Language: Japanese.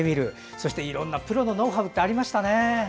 そしていろんなプロのノウハウってありましたね。